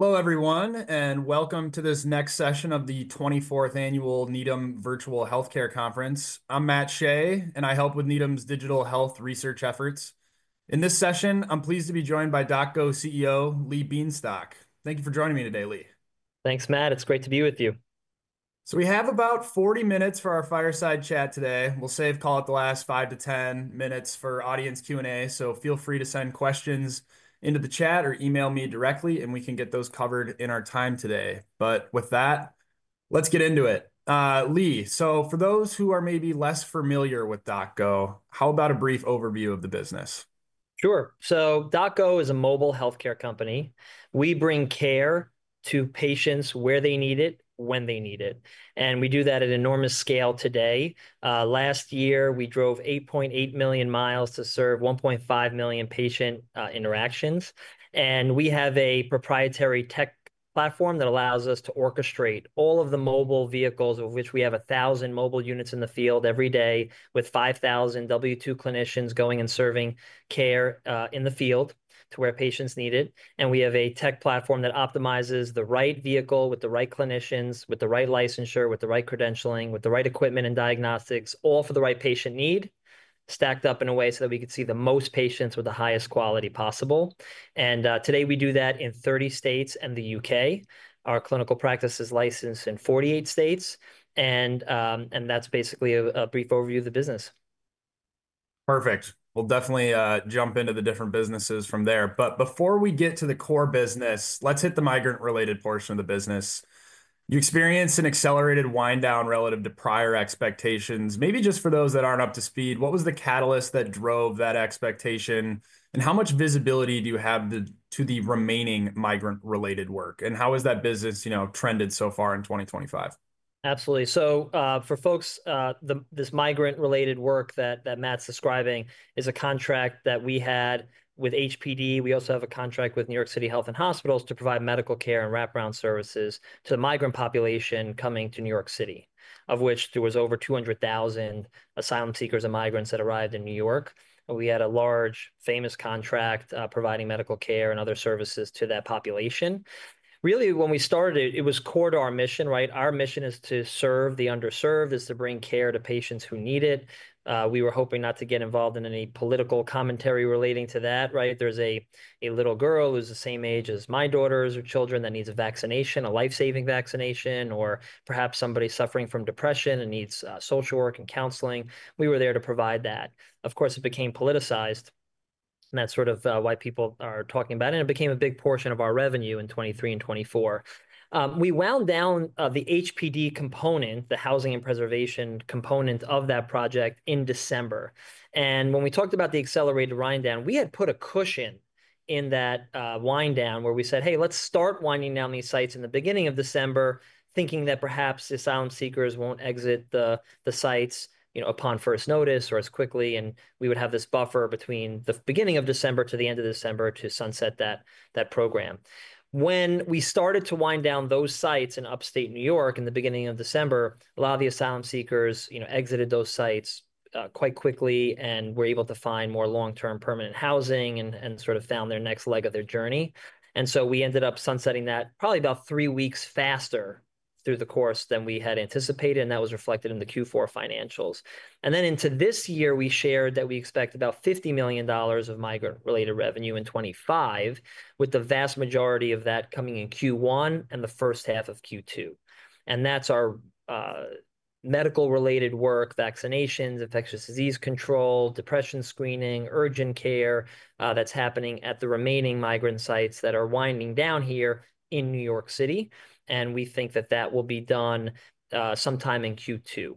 Hello, everyone, and welcome to this next session of the 24th Annual Needham Virtual Healthcare Conference. I'm Matt Shea, and I help with Needham's digital health research efforts. In this session, I'm pleased to be joined by DocGo CEO, Lee Bienstock. Thank you for joining me today, Lee. Thanks, Matt. It's great to be with you. We have about 40 minutes for our fireside chat today. We'll save, call it, the last 5-10 minutes for audience Q&A, so feel free to send questions into the chat or email me directly, and we can get those covered in our time today. With that, let's get into it. Lee, for those who are maybe less familiar with DocGo, how about a brief overview of the business? Sure. DocGo is a mobile healthcare company. We bring care to patients where they need it, when they need it. We do that at enormous scale today. Last year, we drove 8.8 million miles to serve 1.5 million patient interactions. We have a proprietary tech platform that allows us to orchestrate all of the mobile vehicles, of which we have 1,000 mobile units in the field every day, with 5,000 W-2 clinicians going and serving care in the field to where patients need it. We have a tech platform that optimizes the right vehicle with the right clinicians, with the right licensure, with the right credentialing, with the right equipment and diagnostics, all for the right patient need, stacked up in a way so that we could see the most patients with the highest quality possible. Today, we do that in 30 states and the U.K. Our clinical practice is licensed in 48 states. That's basically a brief overview of the business. Perfect. We'll definitely jump into the different businesses from there. Before we get to the core business, let's hit the migrant-related portion of the business. You experienced an accelerated wind down relative to prior expectations. Maybe just for those that aren't up to speed, what was the catalyst that drove that expectation, and how much visibility do you have to the remaining migrant-related work, and how has that business trended so far in 2025? Absolutely. For folks, this migrant-related work that Matt's describing is a contract that we had with HPD. We also have a contract with NYC Health + Hospitals to provide medical care and wraparound services to the migrant population coming to New York City, of which there were over 200,000 asylum seekers and migrants that arrived in New York. We had a large, famous contract providing medical care and other services to that population. Really, when we started, it was core to our mission, right? Our mission is to serve the underserved, is to bring care to patients who need it. We were hoping not to get involved in any political commentary relating to that, right? There's a little girl who's the same age as my daughter's children that needs a vaccination, a life-saving vaccination, or perhaps somebody suffering from depression and needs social work and counseling. We were there to provide that. Of course, it became politicized, and that's sort of why people are talking about it, and it became a big portion of our revenue in 2023 and 2024. We wound down the HPD component, the housing and preservation component of that project in December. When we talked about the accelerated wind down, we had put a cushion in that wind down where we said, "Hey, let's start winding down these sites in the beginning of December," thinking that perhaps asylum seekers won't exit the sites upon first notice or as quickly, and we would have this buffer between the beginning of December to the end of December to sunset that program. When we started to wind down those sites in Upstate New York in the beginning of December, a lot of the asylum seekers exited those sites quite quickly and were able to find more long-term permanent housing and sort of found their next leg of their journey. We ended up sunsetting that probably about three weeks faster through the course than we had anticipated, and that was reflected in the Q4 financials. Into this year, we shared that we expect about $50 million of migrant-related revenue in 2025, with the vast majority of that coming in Q1 and the first half of Q2. That is our medical-related work, vaccinations, infectious disease control, depression screening, urgent care that is happening at the remaining migrant sites that are winding down here in New York City. We think that will be done sometime in Q2.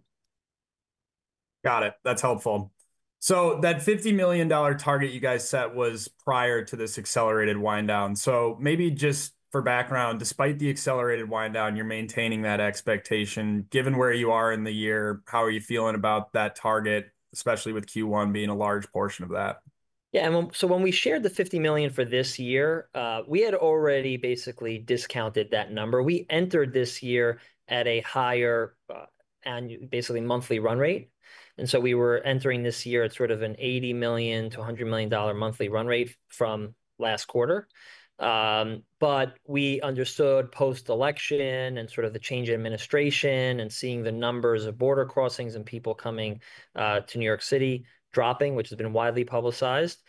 Got it. That's helpful. That $50 million target you guys set was prior to this accelerated wind down. Maybe just for background, despite the accelerated wind down, you're maintaining that expectation. Given where you are in the year, how are you feeling about that target, especially with Q1 being a large portion of that? Yeah. When we shared the $50 million for this year, we had already basically discounted that number. We entered this year at a higher, basically monthly run rate. We were entering this year at sort of an $80-$100 million monthly run rate from last quarter. We understood post-election and the change in administration and seeing the numbers of border crossings and people coming to New York City dropping, which has been widely publicized.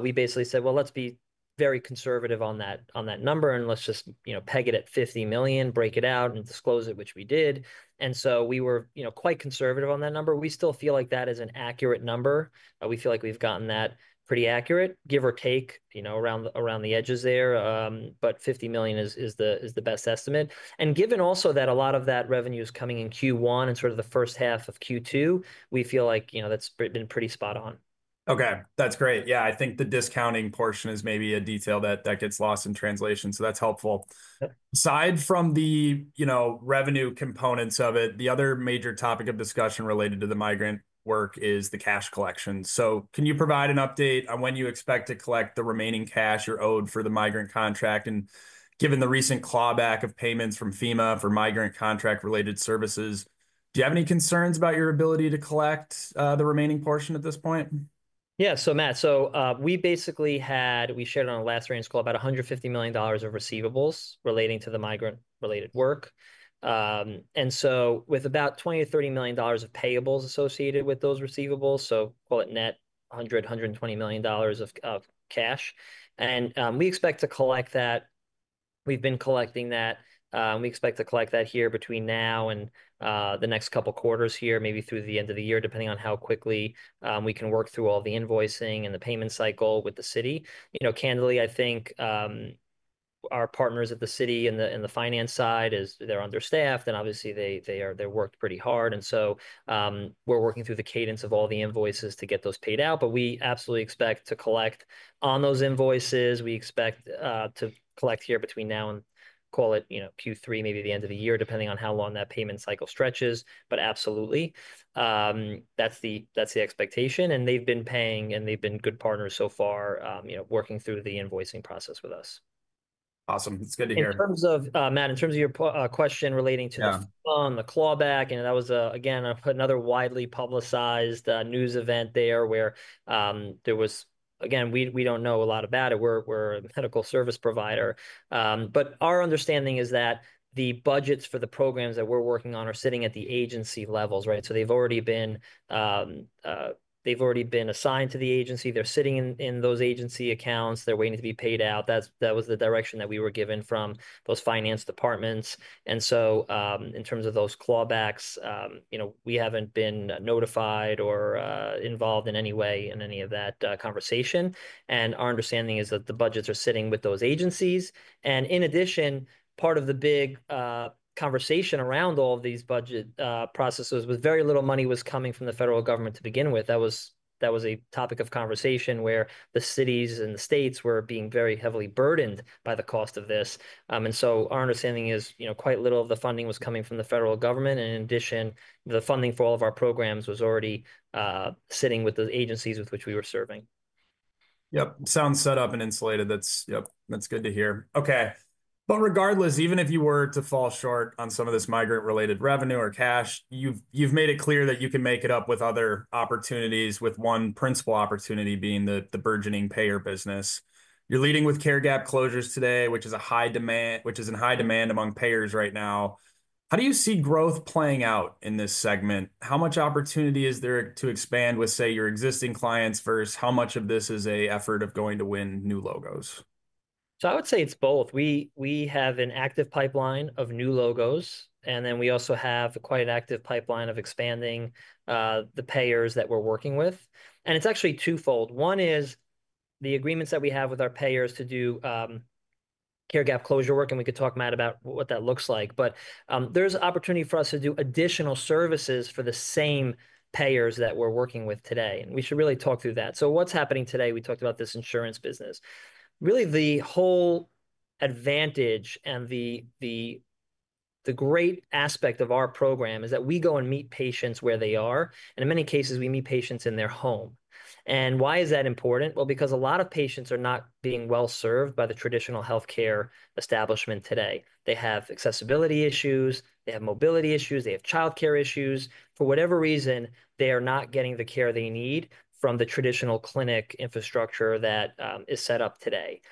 We basically said, "Let's be very conservative on that number, and let's just peg it at $50 million, break it out, and disclose it," which we did. We were quite conservative on that number. We still feel like that is an accurate number. We feel like we've gotten that pretty accurate, give or take around the edges there. $50 million is the best estimate. Given also that a lot of that revenue is coming in Q1 and sort of the first half of Q2, we feel like that's been pretty spot on. Okay. That's great. Yeah. I think the discounting portion is maybe a detail that gets lost in translation. That's helpful. Aside from the revenue components of it, the other major topic of discussion related to the migrant work is the cash collection. Can you provide an update on when you expect to collect the remaining cash you're owed for the migrant contract? Given the recent clawback of payments from FEMA for migrant contract-related services, do you have any concerns about your ability to collect the remaining portion at this point? Yeah. Matt, we basically had, we shared on our last earnings call, about $150 million of receivables relating to the migrant-related work. With about $20-$30 million of payables associated with those receivables, call it net $100-$120 million of cash. We expect to collect that. We've been collecting that. We expect to collect that here between now and the next couple of quarters, maybe through the end of the year, depending on how quickly we can work through all the invoicing and the payment cycle with the city. Candidly, I think our partners at the city and the finance side, they're understaffed, and obviously, they've worked pretty hard. We're working through the cadence of all the invoices to get those paid out. We absolutely expect to collect on those invoices. We expect to collect here between now and, call it, Q3, maybe the end of the year, depending on how long that payment cycle stretches. That is the expectation. They have been paying, and they have been good partners so far, working through the invoicing process with us. Awesome. It's good to hear. Matt, in terms of your question relating to the clawback, that was, again, another widely publicized news event there where there was, again, we don't know a lot about it. We're a medical service provider. Our understanding is that the budgets for the programs that we're working on are sitting at the agency levels, right? They've already been assigned to the agency. They're sitting in those agency accounts. They're waiting to be paid out. That was the direction that we were given from those finance departments. In terms of those clawbacks, we haven't been notified or involved in any way in any of that conversation. Our understanding is that the budgets are sitting with those agencies. In addition, part of the big conversation around all of these budget processes was very little money was coming from the federal government to begin with. That was a topic of conversation where the cities and the states were being very heavily burdened by the cost of this. Our understanding is quite little of the funding was coming from the federal government. In addition, the funding for all of our programs was already sitting with the agencies with which we were serving. Yep. Sounds set up and insulated. That's good to hear. Okay. Regardless, even if you were to fall short on some of this migrant-related revenue or cash, you've made it clear that you can make it up with other opportunities, with one principal opportunity being the burgeoning payer business. You're leading with care gap closures today, which is in high demand among payers right now. How do you see growth playing out in this segment? How much opportunity is there to expand with, say, your existing clients versus how much of this is an effort of going to win new logos? I would say it's both. We have an active pipeline of new logos, and then we also have quite an active pipeline of expanding the payers that we're working with. It's actually twofold. One is the agreements that we have with our payers to do care gap closure work, and we could talk, Matt, about what that looks like. There's opportunity for us to do additional services for the same payers that we're working with today. We should really talk through that. What's happening today? We talked about this insurance business. Really, the whole advantage and the great aspect of our program is that we go and meet patients where they are. In many cases, we meet patients in their home. Why is that important? Because a lot of patients are not being well served by the traditional healthcare establishment today. They have accessibility issues. They have mobility issues. They have childcare issues. For whatever reason, they are not getting the care they need from the traditional clinic infrastructure that is set up today.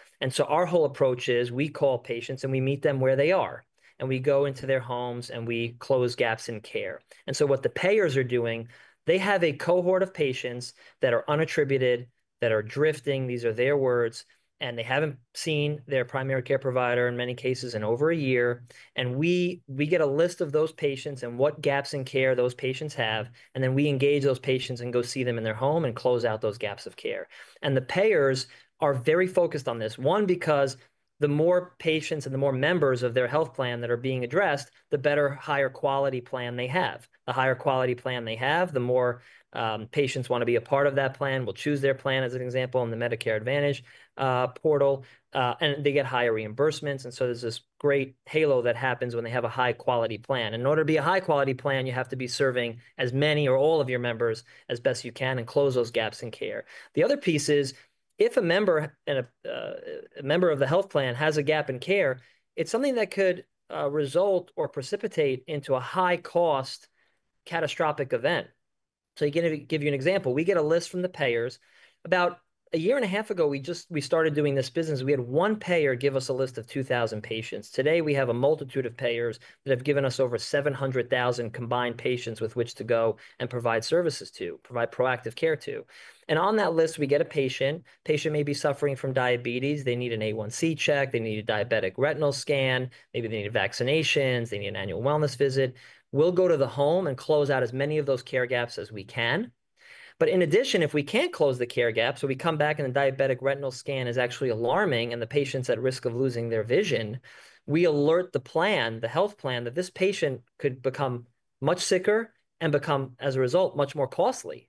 Our whole approach is we call patients, and we meet them where they are. We go into their homes, and we close gaps in care. What the payers are doing, they have a cohort of patients that are unattributed, that are drifting. These are their words. They have not seen their primary care provider in many cases in over a year. We get a list of those patients and what gaps in care those patients have. We engage those patients and go see them in their home and close out those gaps of care. The payers are very focused on this, one, because the more patients and the more members of their health plan that are being addressed, the better higher quality plan they have. The higher quality plan they have, the more patients want to be a part of that plan, will choose their plan, as an example, on the Medicare Advantage portal. They get higher reimbursements. There is this great halo that happens when they have a high-quality plan. In order to be a high-quality plan, you have to be serving as many or all of your members as best you can and close those gaps in care. The other piece is if a member of the health plan has a gap in care, it's something that could result or precipitate into a high-cost catastrophic event. To give you an example, we get a list from the payers. About a year and a half ago, we started doing this business. We had one payer give us a list of 2,000 patients. Today, we have a multitude of payers that have given us over 700,000 combined patients with which to go and provide services to, provide proactive care to. On that list, we get a patient. The patient may be suffering from diabetes. They need an A1C check. They need a diabetic retinal scan. Maybe they need vaccinations. They need an annual wellness visit. We'll go to the home and close out as many of those care gaps as we can. In addition, if we can't close the care gaps, or we come back and the diabetic retinal scan is actually alarming and the patient's at risk of losing their vision, we alert the plan, the health plan, that this patient could become much sicker and become, as a result, much more costly.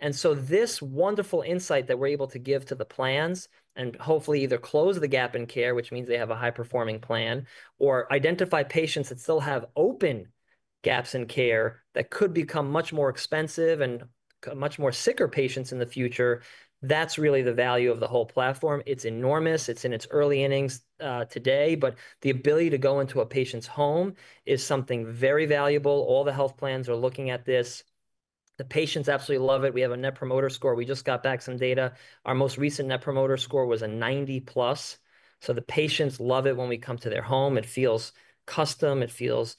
This wonderful insight that we're able to give to the plans and hopefully either close the gap in care, which means they have a high-performing plan, or identify patients that still have open gaps in care that could become much more expensive and much more sicker patients in the future, that's really the value of the whole platform. It's enormous. It's in its early innings today. The ability to go into a patient's home is something very valuable. All the health plans are looking at this. The patients absolutely love it. We have a Net Promoter Score. We just got back some data. Our most recent Net Promoter Score was a 90-plus. The patients love it when we come to their home. It feels custom. It feels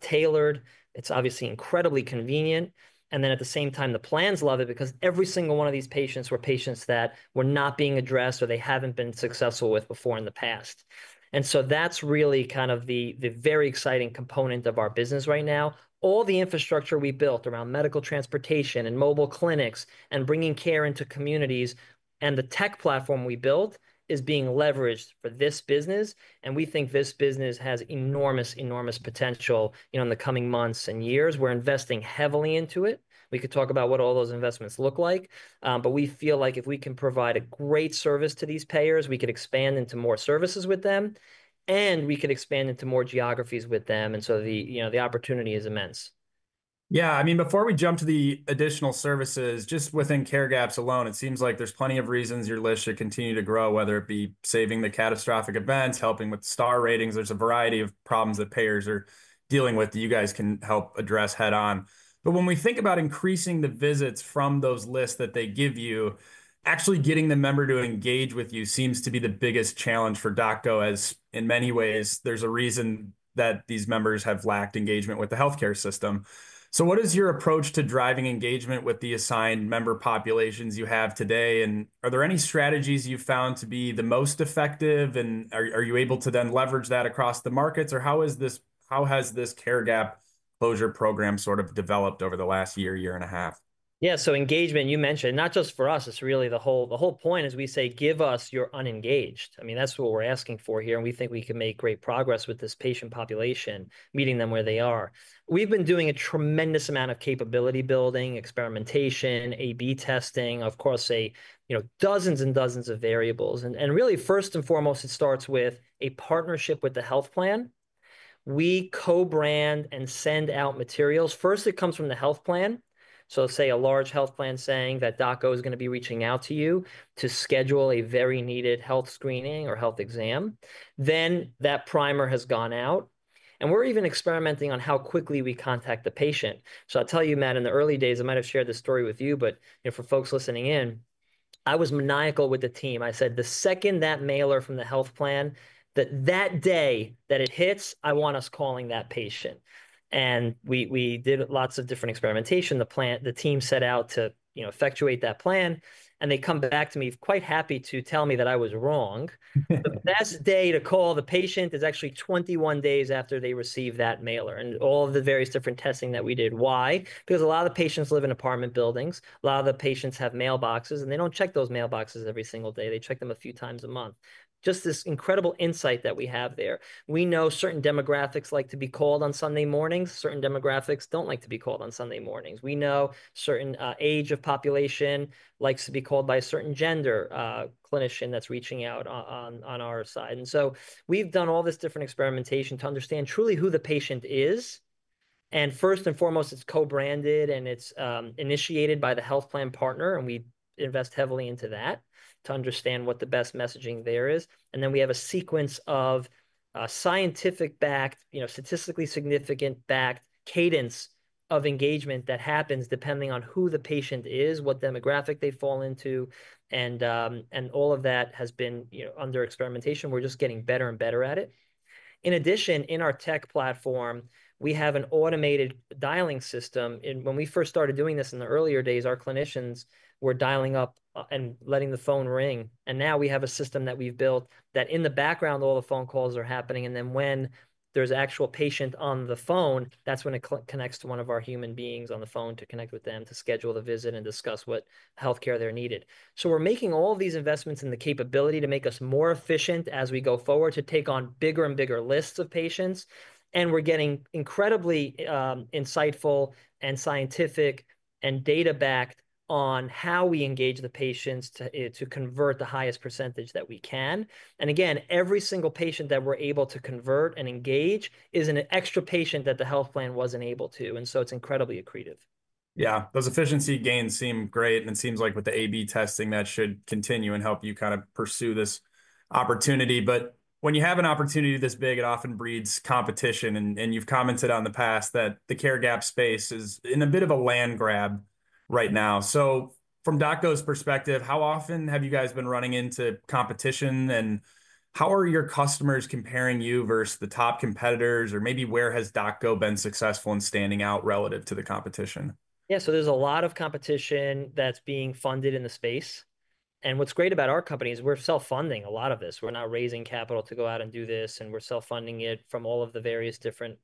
tailored. It's obviously incredibly convenient. At the same time, the plans love it because every single one of these patients were patients that were not being addressed or they haven't been successful with before in the past. That's really kind of the very exciting component of our business right now. All the infrastructure we built around medical transportation and mobile clinics and bringing care into communities and the tech platform we built is being leveraged for this business. We think this business has enormous, enormous potential in the coming months and years. We're investing heavily into it. We could talk about what all those investments look like. We feel like if we can provide a great service to these payers, we could expand into more services with them, and we could expand into more geographies with them. The opportunity is immense. Yeah. I mean, before we jump to the additional services, just within care gaps alone, it seems like there's plenty of reasons your list should continue to grow, whether it be saving the catastrophic events, helping with star ratings. There's a variety of problems that payers are dealing with that you guys can help address head-on. When we think about increasing the visits from those lists that they give you, actually getting the member to engage with you seems to be the biggest challenge for DocGo, as in many ways, there's a reason that these members have lacked engagement with the healthcare system. What is your approach to driving engagement with the assigned member populations you have today? Are there any strategies you've found to be the most effective? Are you able to then leverage that across the markets? How has this care gap closure program sort of developed over the last year, year and a half? Yeah. Engagement, you mentioned, not just for us. It's really the whole point is we say, "Give us your unengaged." I mean, that's what we're asking for here. And we think we can make great progress with this patient population, meeting them where they are. We've been doing a tremendous amount of capability building, experimentation, A/B testing, of course, dozens and dozens of variables. Really, first and foremost, it starts with a partnership with the health plan. We co-brand and send out materials. First, it comes from the health plan. Say a large health plan saying that DocGo is going to be reaching out to you to schedule a very needed health screening or health exam. That primer has gone out. We're even experimenting on how quickly we contact the patient. I'll tell you, Matt, in the early days, I might have shared this story with you. For folks listening in, I was maniacal with the team. I said, "The second that mailer from the health plan, that day that it hits, I want us calling that patient." We did lots of different experimentation. The team set out to effectuate that plan. They come back to me quite happy to tell me that I was wrong. The best day to call the patient is actually 21 days after they receive that mailer and all of the various different testing that we did. Why? Because a lot of the patients live in apartment buildings. A lot of the patients have mailboxes, and they don't check those mailboxes every single day. They check them a few times a month. Just this incredible insight that we have there. We know certain demographics like to be called on Sunday mornings. Certain demographics do not like to be called on Sunday mornings. We know certain age of population likes to be called by a certain gender clinician that is reaching out on our side. We have done all this different experimentation to understand truly who the patient is. First and foremost, it is co-branded, and it is initiated by the health plan partner. We invest heavily into that to understand what the best messaging there is. We have a sequence of scientific-backed, statistically significant-backed cadence of engagement that happens depending on who the patient is, what demographic they fall into, and all of that has been under experimentation. We are just getting better and better at it. In addition, in our tech platform, we have an automated dialing system. When we first started doing this in the earlier days, our clinicians were dialing up and letting the phone ring. Now we have a system that we've built that in the background, all the phone calls are happening. When there's an actual patient on the phone, that's when it connects to one of our human beings on the phone to connect with them to schedule the visit and discuss what healthcare they're needed. We are making all these investments in the capability to make us more efficient as we go forward to take on bigger and bigger lists of patients. We are getting incredibly insightful and scientific and data-backed on how we engage the patients to convert the highest percentage that we can. Every single patient that we're able to convert and engage is an extra patient that the health plan wasn't able to. It is incredibly accretive. Yeah. Those efficiency gains seem great. It seems like with the A/B testing, that should continue and help you kind of pursue this opportunity. When you have an opportunity this big, it often breeds competition. You have commented in the past that the care gap space is in a bit of a land grab right now. From DocGo's perspective, how often have you guys been running into competition? How are your customers comparing you versus the top competitors? Maybe where has DocGo been successful in standing out relative to the competition? Yeah. There is a lot of competition that's being funded in the space. What's great about our company is we're self-funding a lot of this. We're not raising capital to go out and do this. We're self-funding it from all of the various different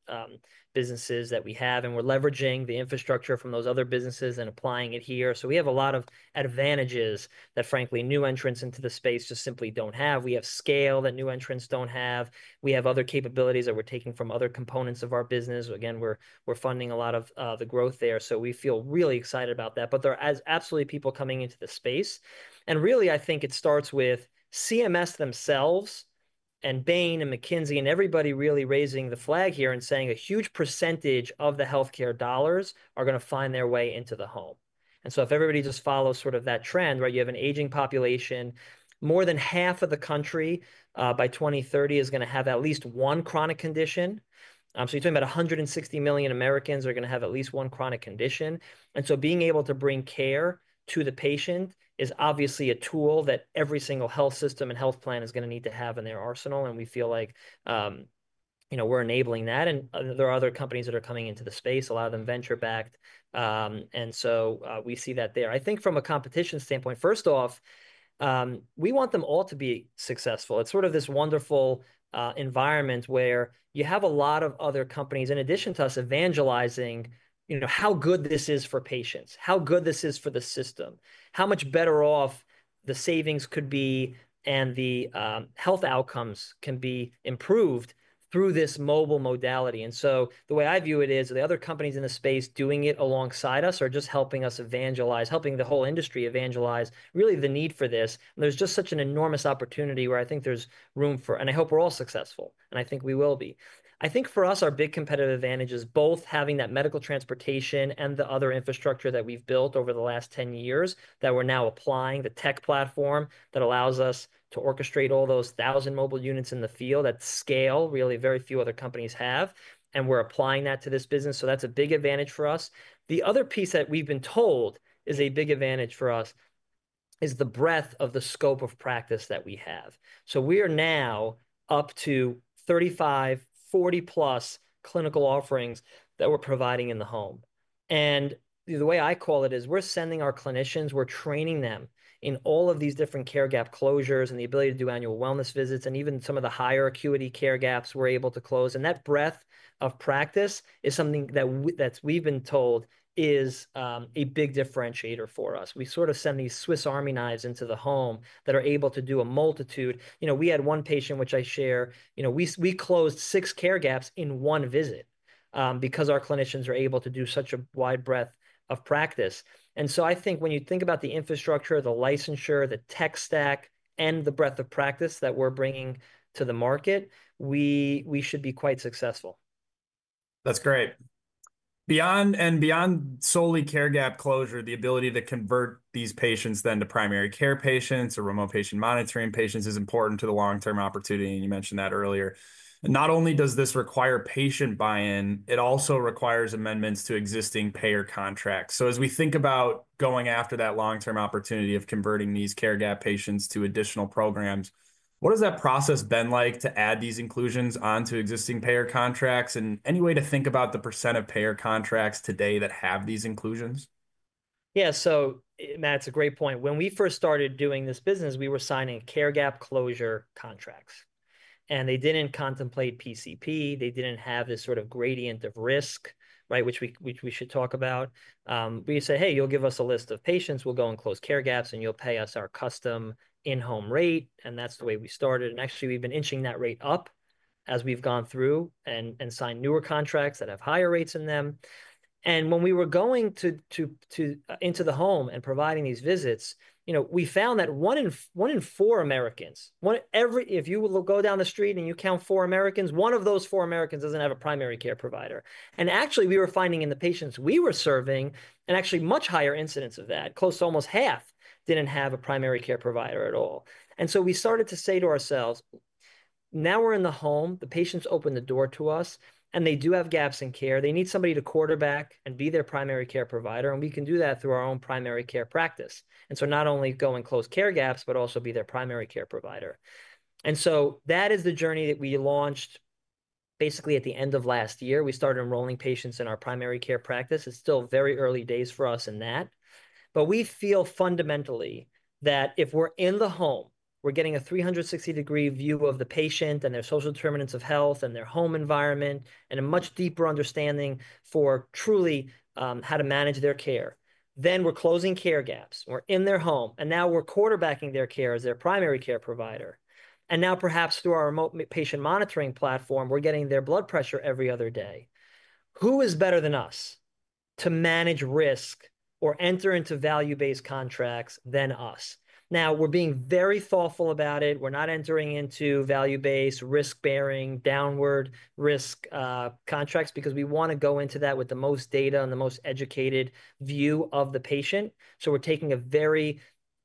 businesses that we have. We're leveraging the infrastructure from those other businesses and applying it here. We have a lot of advantages that, frankly, new entrants into the space just simply don't have. We have scale that new entrants don't have. We have other capabilities that we're taking from other components of our business. Again, we're funding a lot of the growth there. We feel really excited about that. There are absolutely people coming into the space. I think it starts with CMS themselves and Bain & Company and McKinsey & Company and everybody really raising the flag here and saying a huge percentage of the healthcare dollars are going to find their way into the home. If everybody just follows sort of that trend, you have an aging population. More than half of the country by 2030 is going to have at least one chronic condition. You're talking about 160 million Americans are going to have at least one chronic condition. Being able to bring care to the patient is obviously a tool that every single health system and health plan is going to need to have in their arsenal. We feel like we're enabling that. There are other companies that are coming into the space, a lot of them venture-backed. We see that there. I think from a competition standpoint, first off, we want them all to be successful. It's sort of this wonderful environment where you have a lot of other companies, in addition to us, evangelizing how good this is for patients, how good this is for the system, how much better off the savings could be and the health outcomes can be improved through this mobile modality. The way I view it is the other companies in the space doing it alongside us are just helping us evangelize, helping the whole industry evangelize really the need for this. There's just such an enormous opportunity where I think there's room for, and I hope we're all successful. I think we will be. I think for us, our big competitive advantage is both having that medical transportation and the other infrastructure that we've built over the last 10 years that we're now applying, the tech platform that allows us to orchestrate all those thousand mobile units in the field at scale really very few other companies have. We are applying that to this business. That is a big advantage for us. The other piece that we've been told is a big advantage for us is the breadth of the scope of practice that we have. We are now up to 35, 40-plus clinical offerings that we're providing in the home. The way I call it is we're sending our clinicians, we're training them in all of these different care gap closures and the ability to do annual wellness visits and even some of the higher acuity care gaps we're able to close. That breadth of practice is something that we've been told is a big differentiator for us. We sort of send these Swiss Army knives into the home that are able to do a multitude. We had one patient, which I share. We closed six care gaps in one visit because our clinicians are able to do such a wide breadth of practice. I think when you think about the infrastructure, the licensure, the tech stack, and the breadth of practice that we're bringing to the market, we should be quite successful. That's great. Beyond and beyond solely care gap closure, the ability to convert these patients then to primary care patients or remote patient monitoring patients is important to the long-term opportunity. You mentioned that earlier. Not only does this require patient buy-in, it also requires amendments to existing payer contracts. As we think about going after that long-term opportunity of converting these care gap patients to additional programs, what has that process been like to add these inclusions onto existing payer contracts and any way to think about the % of payer contracts today that have these inclusions? Yeah. Matt, it's a great point. When we first started doing this business, we were signing care gap closure contracts. They didn't contemplate PCP. They didn't have this sort of gradient of risk, right, which we should talk about. We said, "Hey, you'll give us a list of patients. We'll go and close care gaps, and you'll pay us our custom in-home rate." That's the way we started. Actually, we've been inching that rate up as we've gone through and signed newer contracts that have higher rates in them. When we were going into the home and providing these visits, we found that one in four Americans, if you go down the street and you count four Americans, one of those four Americans doesn't have a primary care provider. Actually, we were finding in the patients we were serving, actually a much higher incidence of that, close to almost half did not have a primary care provider at all. We started to say to ourselves, "Now we are in the home. The patients open the door to us, and they do have gaps in care. They need somebody to quarterback and be their primary care provider. We can do that through our own primary care practice." Not only go and close care gaps, but also be their primary care provider. That is the journey that we launched basically at the end of last year. We started enrolling patients in our primary care practice. It is still very early days for us in that. We feel fundamentally that if we're in the home, we're getting a 360-degree view of the patient and their social determinants of health and their home environment and a much deeper understanding for truly how to manage their care. Then we're closing care gaps. We're in their home. Now we're quarterbacking their care as their primary care provider. Now perhaps through our remote patient monitoring platform, we're getting their blood pressure every other day. Who is better than us to manage risk or enter into value-based contracts than us? We're being very thoughtful about it. We're not entering into value-based, risk-bearing, downward risk contracts because we want to go into that with the most data and the most educated view of the patient. We're taking a very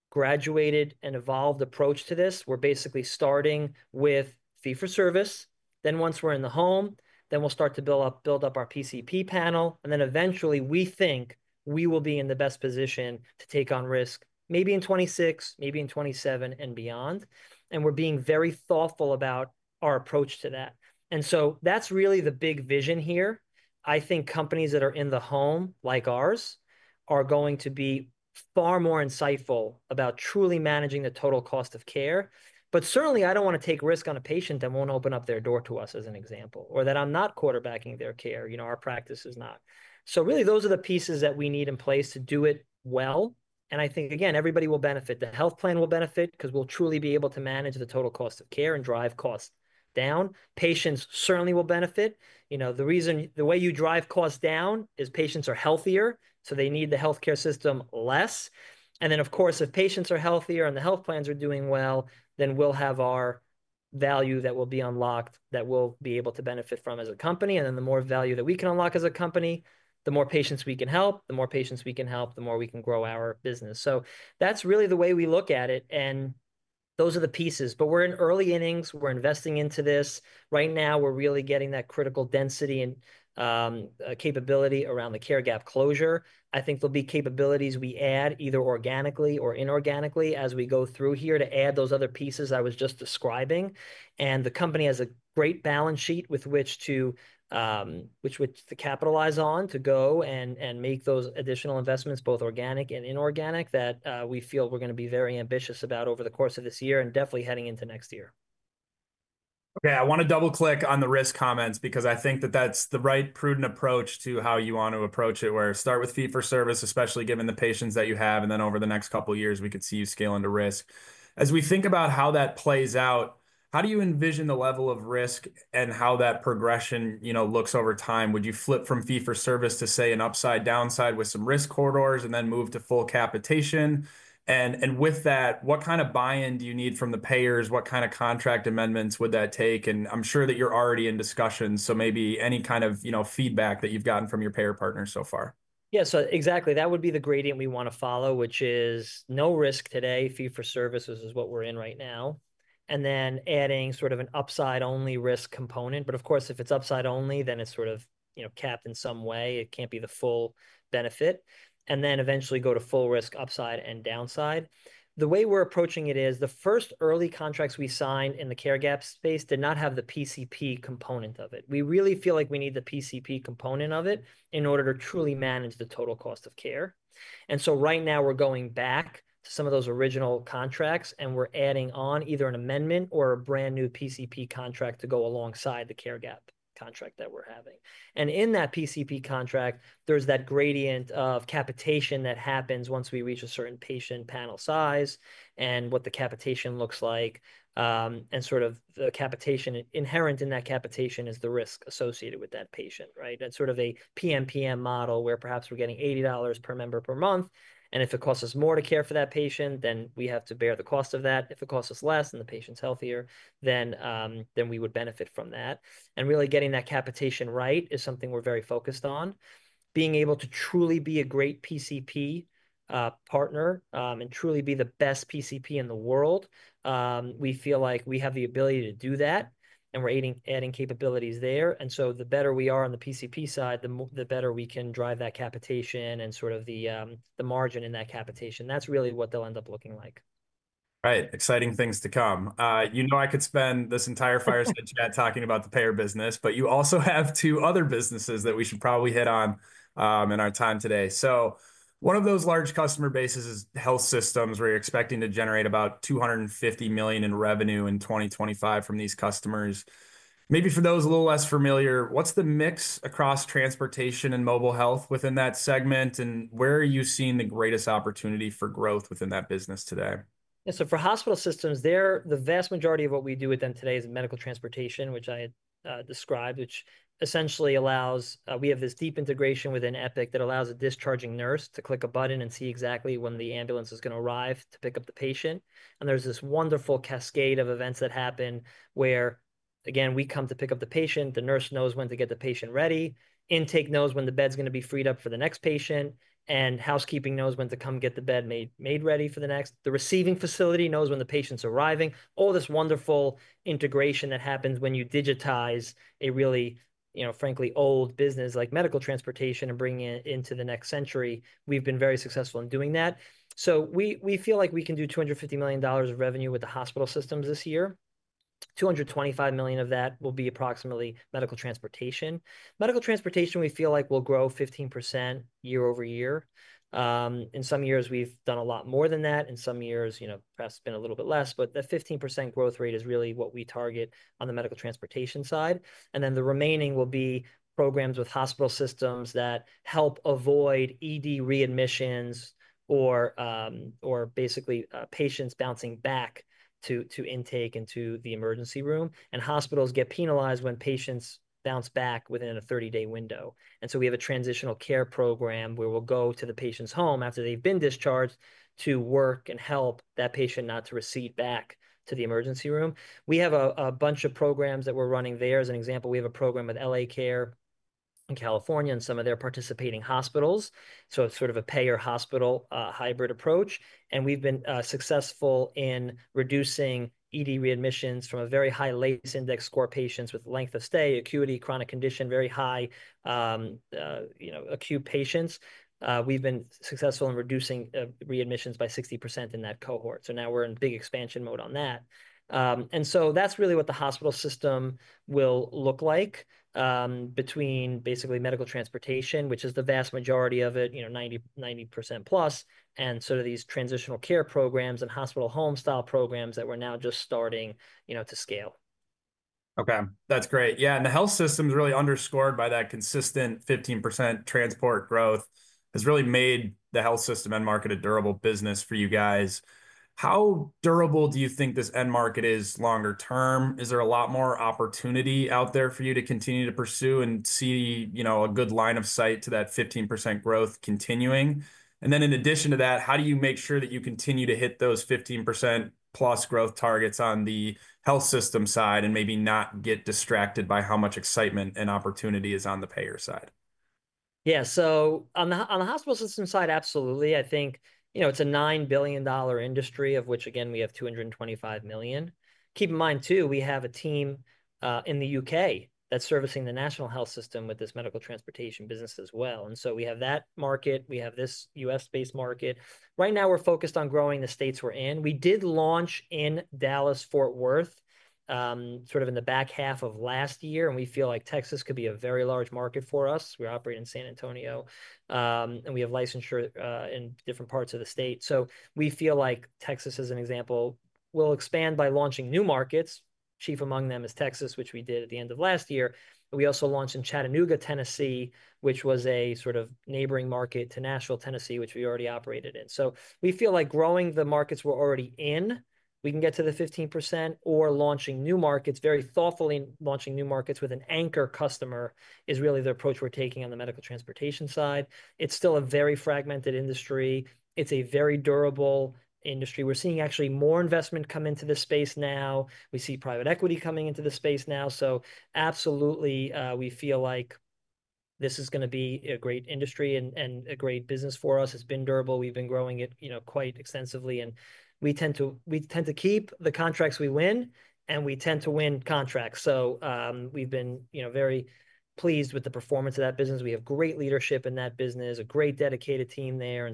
graduated and evolved approach to this. We're basically starting with fee for service. Once we're in the home, we'll start to build up our PCP panel. Eventually, we think we will be in the best position to take on risk, maybe in 2026, maybe in 2027, and beyond. We're being very thoughtful about our approach to that. That's really the big vision here. I think companies that are in the home, like ours, are going to be far more insightful about truly managing the total cost of care. Certainly, I don't want to take risk on a patient that won't open up their door to us, as an example, or that I'm not quarterbacking their care. Our practice is not. Those are the pieces that we need in place to do it well. I think, again, everybody will benefit. The health plan will benefit because we'll truly be able to manage the total cost of care and drive costs down. Patients certainly will benefit. The way you drive costs down is patients are healthier, so they need the healthcare system less. If patients are healthier and the health plans are doing well, then we'll have our value that will be unlocked that we'll be able to benefit from as a company. The more value that we can unlock as a company, the more patients we can help, the more patients we can help, the more we can grow our business. That is really the way we look at it. Those are the pieces. We're in early innings. We're investing into this. Right now, we're really getting that critical density and capability around the care gap closure. I think there'll be capabilities we add either organically or inorganically as we go through here to add those other pieces I was just describing. The company has a great balance sheet with which to capitalize on to go and make those additional investments, both organic and inorganic, that we feel we're going to be very ambitious about over the course of this year and definitely heading into next year. Okay. I want to double-click on the risk comments because I think that that's the right prudent approach to how you want to approach it, where start with fee for service, especially given the patients that you have. Then over the next couple of years, we could see you scale into risk. As we think about how that plays out, how do you envision the level of risk and how that progression looks over time? Would you flip from fee for service to, say, an upside downside with some risk corridors and then move to full capitation? With that, what kind of buy-in do you need from the payers? What kind of contract amendments would that take? I'm sure that you're already in discussions. Maybe any kind of feedback that you've gotten from your payer partner so far. Yeah. Exactly. That would be the gradient we want to follow, which is no risk today, fee for services is what we're in right now, and then adding sort of an upside-only risk component. Of course, if it's upside-only, then it's sort of capped in some way. It can't be the full benefit. Eventually go to full risk, upside and downside. The way we're approaching it is the first early contracts we signed in the care gap space did not have the PCP component of it. We really feel like we need the PCP component of it in order to truly manage the total cost of care. Right now, we're going back to some of those original contracts, and we're adding on either an amendment or a brand new PCP contract to go alongside the care gap contract that we're having. In that PCP contract, there's that gradient of capitation that happens once we reach a certain patient panel size and what the capitation looks like. Sort of the capitation inherent in that capitation is the risk associated with that patient, right? That's sort of a PMPM model where perhaps we're getting $80 per member per month. If it costs us more to care for that patient, then we have to bear the cost of that. If it costs us less and the patient's healthier, then we would benefit from that. Really getting that capitation right is something we're very focused on. Being able to truly be a great PCP partner and truly be the best PCP in the world, we feel like we have the ability to do that. We're adding capabilities there. The better we are on the PCP side, the better we can drive that capitation and sort of the margin in that capitation. That's really what they'll end up looking like. Right. Exciting things to come. You know I could spend this entire fireside chat talking about the payer business, but you also have two other businesses that we should probably hit on in our time today. One of those large customer bases is health systems, where you're expecting to generate about $250 million in revenue in 2025 from these customers. Maybe for those a little less familiar, what's the mix across transportation and mobile health within that segment? Where are you seeing the greatest opportunity for growth within that business today? Yeah. For hospital systems, the vast majority of what we do with them today is medical transportation, which I described, which essentially allows—we have this deep integration within Epic that allows a discharging nurse to click a button and see exactly when the ambulance is going to arrive to pick up the patient. There is this wonderful cascade of events that happen where, again, we come to pick up the patient. The nurse knows when to get the patient ready. Intake knows when the bed's going to be freed up for the next patient. Housekeeping knows when to come get the bed made ready for the next. The receiving facility knows when the patient's arriving. All this wonderful integration happens when you digitize a really, frankly, old business like medical transportation and bring it into the next century. We've been very successful in doing that. We feel like we can do $250 million of revenue with the hospital systems this year. $225 million of that will be approximately medical transportation. Medical transportation, we feel like, will grow 15% year over year. In some years, we've done a lot more than that. In some years, perhaps been a little bit less. That 15% growth rate is really what we target on the medical transportation side. The remaining will be programs with hospital systems that help avoid ED readmissions or basically patients bouncing back to intake and to the emergency room. Hospitals get penalized when patients bounce back within a 30-day window. We have a transitional care program where we'll go to the patient's home after they've been discharged to work and help that patient not to recede back to the emergency room. We have a bunch of programs that we're running there. As an example, we have a program with L.A. Care in California and some of their participating hospitals. It's sort of a payer-hospital hybrid approach. We've been successful in reducing ED readmissions from a very high LACE index score patients with length of stay, acuity, chronic condition, very high acute patients. We've been successful in reducing readmissions by 60% in that cohort. Now we're in big expansion mode on that. That's really what the hospital system will look like between basically medical transportation, which is the vast majority of it, 90% plus, and sort of these transitional care programs and hospital home-style programs that we're now just starting to scale. Okay. That's great. Yeah. And the health system is really underscored by that consistent 15% transport growth. It's really made the health system end market a durable business for you guys. How durable do you think this end market is longer term? Is there a lot more opportunity out there for you to continue to pursue and see a good line of sight to that 15% growth continuing? In addition to that, how do you make sure that you continue to hit those 15% plus growth targets on the health system side and maybe not get distracted by how much excitement and opportunity is on the payer side? Yeah. On the hospital system side, absolutely. I think it's a $9 billion industry, of which, again, we have $225 million. Keep in mind, too, we have a team in the U.K. that's servicing the national health system with this medical transportation business as well. We have that market. We have this U.S.-based market. Right now, we're focused on growing the states we're in. We did launch in Dallas-Fort Worth sort of in the back half of last year. We feel like Texas could be a very large market for us. We operate in San Antonio. We have licensure in different parts of the state. We feel like Texas, as an example, will expand by launching new markets. Chief among them is Texas, which we did at the end of last year. We also launched in Chattanooga, Tennessee, which was a sort of neighboring market to Nashville, Tennessee, which we already operated in. We feel like growing the markets we're already in, we can get to the 15%, or launching new markets, very thoughtfully launching new markets with an anchor customer is really the approach we're taking on the medical transportation side. It's still a very fragmented industry. It's a very durable industry. We're seeing actually more investment come into this space now. We see private equity coming into the space now. Absolutely, we feel like this is going to be a great industry and a great business for us. It's been durable. We've been growing it quite extensively. We tend to keep the contracts we win, and we tend to win contracts. We have been very pleased with the performance of that business. We have great leadership in that business, a great dedicated team there.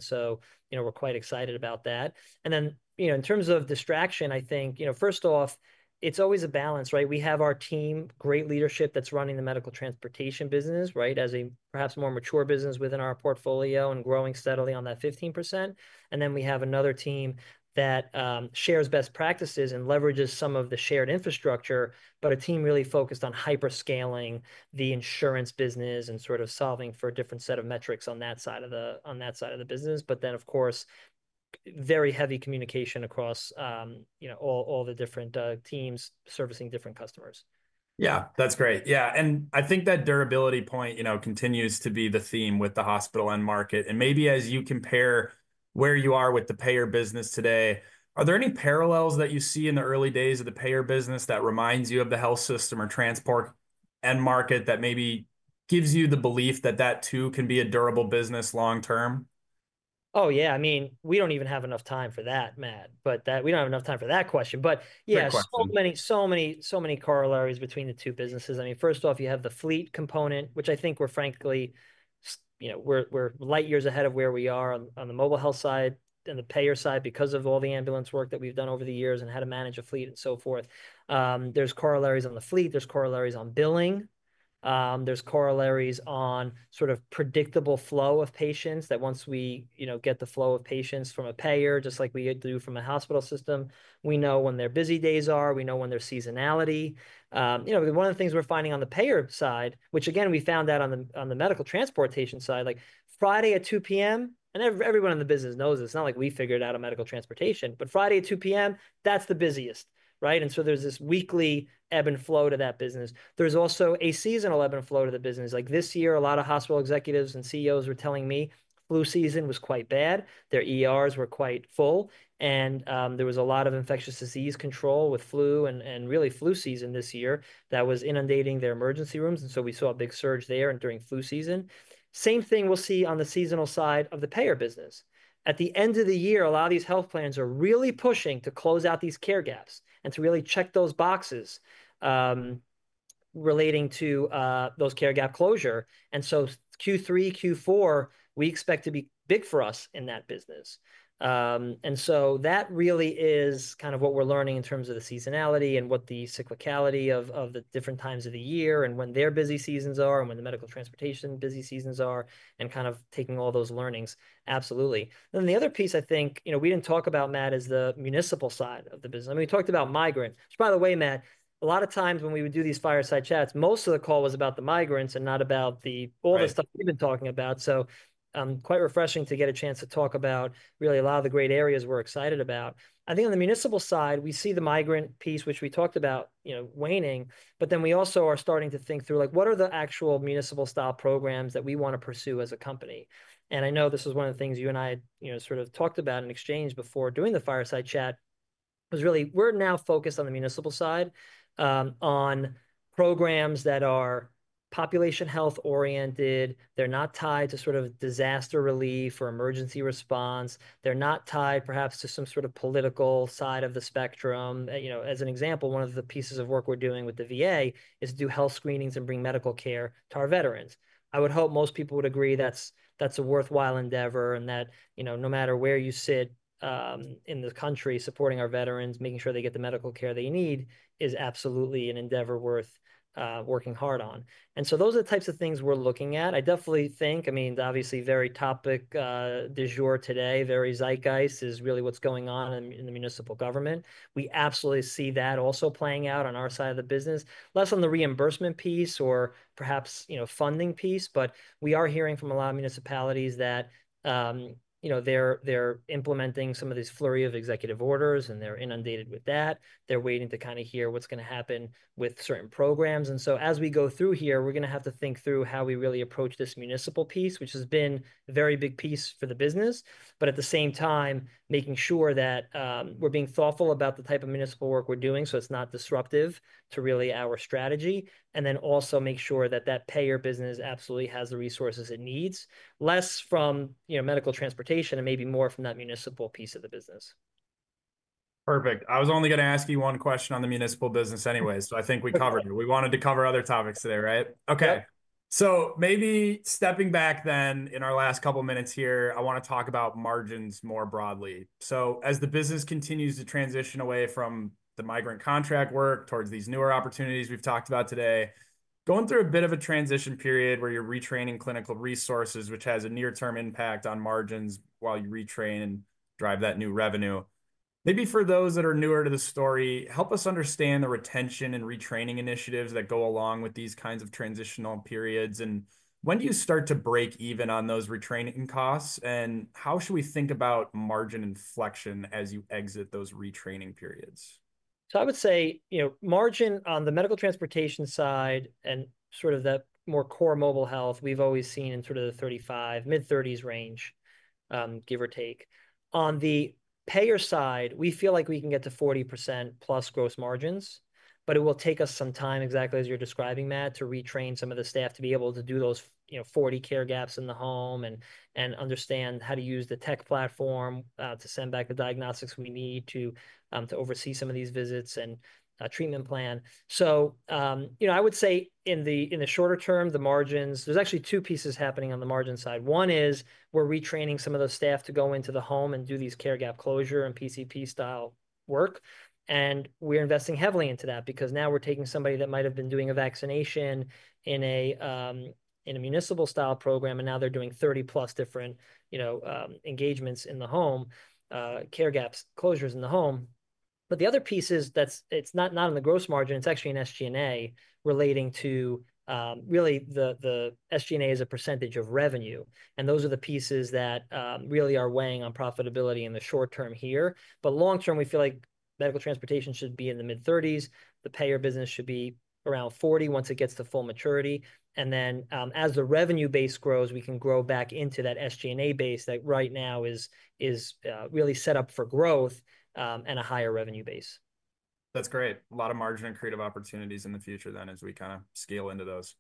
We're quite excited about that. In terms of distraction, I think, first off, it's always a balance, right? We have our team, great leadership that's running the medical transportation business, right, as a perhaps more mature business within our portfolio and growing steadily on that 15%. We have another team that shares best practices and leverages some of the shared infrastructure, but a team really focused on hyperscaling the insurance business and sort of solving for a different set of metrics on that side of the business. Of course, very heavy communication across all the different teams servicing different customers. Yeah. That's great. Yeah. I think that durability point continues to be the theme with the hospital end market. Maybe as you compare where you are with the payer business today, are there any parallels that you see in the early days of the payer business that remind you of the health system or transport end market that maybe gives you the belief that that, too, can be a durable business long term? Oh, yeah. I mean, we don't even have enough time for that, Matt. We don't have enough time for that question. Yes, so many corollaries between the two businesses. I mean, first off, you have the fleet component, which I think we're, frankly, we're light years ahead of where we are on the mobile health side and the payer side because of all the ambulance work that we've done over the years and how to manage a fleet and so forth. There's corollaries on the fleet. There's corollaries on billing. There's corollaries on sort of predictable flow of patients that once we get the flow of patients from a payer, just like we do from a hospital system, we know when their busy days are. We know when their seasonality. One of the things we're finding on the payer side, which, again, we found out on the medical transportation side, Friday at 2:00 P.M., and everyone in the business knows this. It's not like we figured out a medical transportation. Friday at 2:00 P.M., that's the busiest, right? There's this weekly ebb and flow to that business. There's also a seasonal ebb and flow to the business. This year, a lot of hospital executives and CEOs were telling me flu season was quite bad. Their ERs were quite full. There was a lot of infectious disease control with flu and really flu season this year that was inundating their emergency rooms. We saw a big surge there and during flu season. Same thing we'll see on the seasonal side of the payer business. At the end of the year, a lot of these health plans are really pushing to close out these care gaps and to really check those boxes relating to those care gap closure. Q3, Q4, we expect to be big for us in that business. That really is kind of what we're learning in terms of the seasonality and what the cyclicality of the different times of the year and when their busy seasons are and when the medical transportation busy seasons are and kind of taking all those learnings. Absolutely. The other piece, I think, we didn't talk about, Matt, is the municipal side of the business. I mean, we talked about migrants. By the way, Matt, a lot of times when we would do these fireside chats, most of the call was about the migrants and not about all the stuff we've been talking about. Quite refreshing to get a chance to talk about really a lot of the great areas we're excited about. I think on the municipal side, we see the migrant piece, which we talked about, waning. We also are starting to think through what are the actual municipal-style programs that we want to pursue as a company. I know this is one of the things you and I sort of talked about in exchange before doing the fireside chat was really we're now focused on the municipal side on programs that are population health-oriented. They're not tied to sort of disaster relief or emergency response. They're not tied perhaps to some sort of political side of the spectrum. As an example, one of the pieces of work we're doing with the VA is to do health screenings and bring medical care to our veterans. I would hope most people would agree that's a worthwhile endeavor and that no matter where you sit in the country, supporting our veterans, making sure they get the medical care they need is absolutely an endeavor worth working hard on. Those are the types of things we're looking at. I definitely think, I mean, obviously, very topic du jour today, very zeitgeist is really what's going on in the municipal government. We absolutely see that also playing out on our side of the business, less on the reimbursement piece or perhaps funding piece. We are hearing from a lot of municipalities that they're implementing some of this flurry of executive orders, and they're inundated with that. They're waiting to kind of hear what's going to happen with certain programs. As we go through here, we're going to have to think through how we really approach this municipal piece, which has been a very big piece for the business, but at the same time, making sure that we're being thoughtful about the type of municipal work we're doing so it's not disruptive to really our strategy, and then also make sure that that payer business absolutely has the resources it needs, less from medical transportation and maybe more from that municipal piece of the business. Perfect. I was only going to ask you one question on the municipal business anyway. I think we covered it. We wanted to cover other topics today, right? Okay. Maybe stepping back then in our last couple of minutes here, I want to talk about margins more broadly. As the business continues to transition away from the migrant contract work towards these newer opportunities we've talked about today, going through a bit of a transition period where you're retraining clinical resources, which has a near-term impact on margins while you retrain and drive that new revenue. Maybe for those that are newer to the story, help us understand the retention and retraining initiatives that go along with these kinds of transitional periods. When do you start to break even on those retraining costs? How should we think about margin inflection as you exit those retraining periods? I would say margin on the medical transportation side and sort of that more core mobile health we've always seen in sort of the 35%, mid-30% range, give or take. On the payer side, we feel like we can get to 40%+ gross margins. It will take us some time, exactly as you're describing, Matt, to retrain some of the staff to be able to do those 40 care gaps in the home and understand how to use the tech platform to send back the diagnostics we need to oversee some of these visits and treatment plan. I would say in the shorter term, the margins, there's actually two pieces happening on the margin side. One is we're retraining some of those staff to go into the home and do these care gap closure and PCP-style work. We are investing heavily into that because now we are taking somebody that might have been doing a vaccination in a municipal-style program, and now they are doing 30-plus different engagements in the home, care gaps, closures in the home. The other piece is that it is not on the gross margin. It is actually an SG&A relating to really the SG&A as a percentage of revenue. Those are the pieces that really are weighing on profitability in the short term here. Long term, we feel like medical transportation should be in the mid-30%. The payer business should be around 40% once it gets to full maturity. As the revenue base grows, we can grow back into that SG&A base that right now is really set up for growth and a higher revenue base. That's great. A lot of margin and creative opportunities in the future then as we kind of scale into those.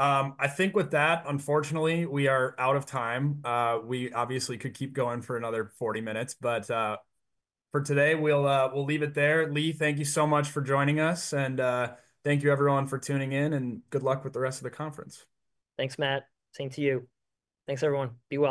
I think with that, unfortunately, we are out of time. We obviously could keep going for another 40 minutes. For today, we'll leave it there. Lee, thank you so much for joining us. Thank you, everyone, for tuning in. Good luck with the rest of the conference. Thanks, Matt. Same to you. Thanks, everyone. Be well.